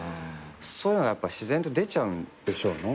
そういうのが自然と出ちゃうんでしょうね。